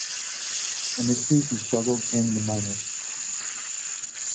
Initially, he struggled in the minors.